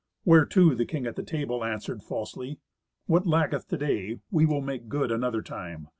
Whereto the king at the table answered falsely, "What lacketh to day we will make good another time.